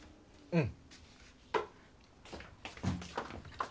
うん。